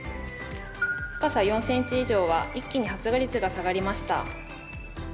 深さ４ｃｍ以上は一気に発芽率が下がりました。